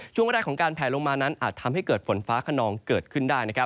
ช่วงแรกของการแผลลงมานั้นอาจทำให้เกิดฝนฟ้าขนองเกิดขึ้นได้